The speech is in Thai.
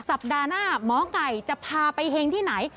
สัปดาห์หน้าหมอไก่จะพาไปเฮงที่ไหน